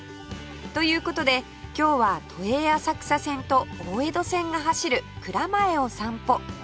という事で今日は都営浅草線と大江戸線が走る蔵前を散歩